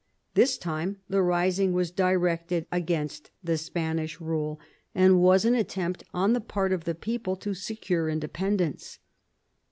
This time the rising was directed against the Spanish rule, and was an attempt on the part of the people to secure independence.